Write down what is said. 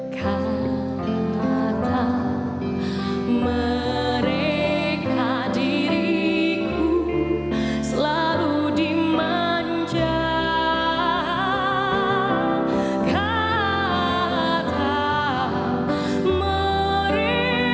kata mereka diriku selalu dimanjakan